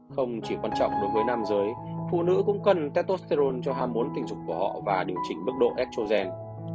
đối với nam giới phụ nữ cũng cần tetosterone cho ham muốn tình dục của họ và điều chỉnh bức độ estrogen